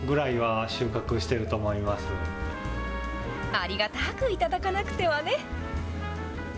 ありがたく頂かなくてはね。